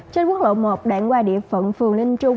trên quốc lộ một đoạn qua địa phận phường linh trung